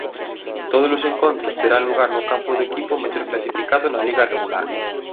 Tódolos encontros terán lugar no campo do equipo mellor clasificado na liga regular.